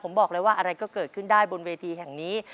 ผมบอกเลยว่าอะไรก็เกิดขึ้นได้บนเวทีแห่งนี้